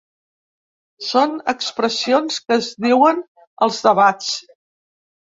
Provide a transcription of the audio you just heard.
Són expressions que es diuen als debats